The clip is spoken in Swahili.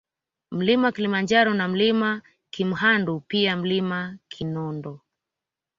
Mlima Kilimanjaro na Mlima Kimhandu pia Mlima Kinondo